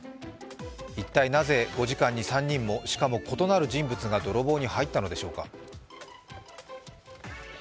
一体なぜ５時間に３人も、しかも異なる人物が泥棒に入ったのでしょうか。